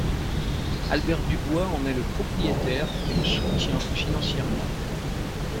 Albert du Bois en est le propriétaire et le soutient financièrement.